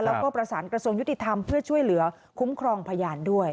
แล้วก็ประสานกระทรวงยุติธรรมเพื่อช่วยเหลือคุ้มครองพยานด้วย